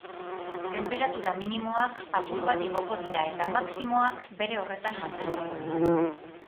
Tenperatura minimoak apur bat igoko dira eta maximoak bere horretan mantenduko dira.